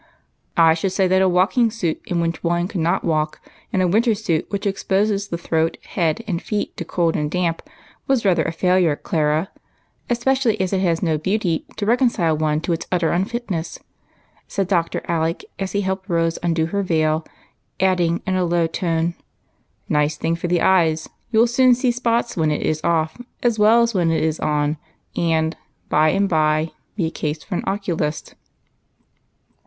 " I should say that a walking suit in which one could 208 EIGHT COUSINS. not walk, and a winter suit which exjjoses the throat, head, and feet to cold and damp, was rather a failure, Clara ; especially as it has no beauty to reconcile one to its utter unfitness," said Dr. Alec, as he helped Rose undo her veil, adding, in a low tone, " Nice thing for the eyes ; you '11 soon see spots when it is off as Avell as when it is on, and, by and by, be a case for an oculist."